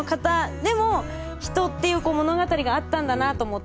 でも人っていう物語があったんだなと思って。